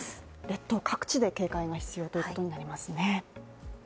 列島各地で警戒が必要ということになりますね